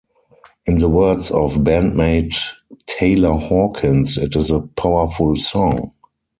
In the words of bandmate Taylor Hawkins, it is a powerful song.